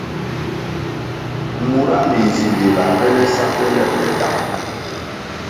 Mura minzimbi ga bele sa ke lebʼle dang.